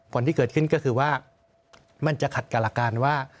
ผลที่เกิดขึ้นก็คือว่ามันจะขัดกับหลักการว่า